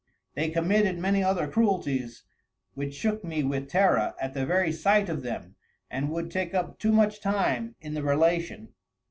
They committed many other Cruelties, which shook me with Terror at the very sight of them, and would take up too much time in the Relation.